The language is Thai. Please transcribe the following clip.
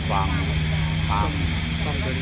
ข้ามคร้ามต้มต้มตึก